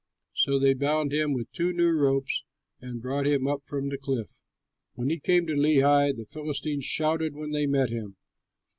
So they bound him with two new ropes, and brought him up from the cliff. When he came to Lehi, the Philistines shouted when they met him.